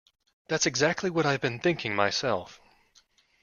That's exactly what I've been thinking myself.